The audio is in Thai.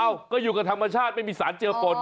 ก็อยู่กับธรรมชาติไม่มีสารเจอฝน